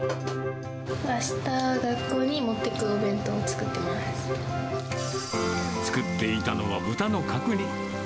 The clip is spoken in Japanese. あした、学校に持ってくお弁作っていたのは豚の角煮。